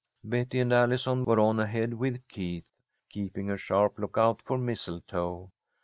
Betty and Allison were on ahead with Keith, keeping a sharp lookout for mistletoe.